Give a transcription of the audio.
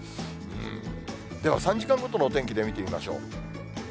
では３時間ごとのお天気で見てみましょう。